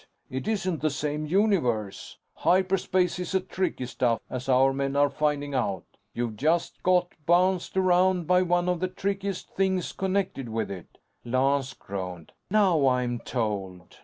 It isn't the same universe. Hyperspace is tricky stuff, as our men are finding out. You've just got bounced around by one of the trickiest things connected with it." Lance groaned. "Now, I'm told!"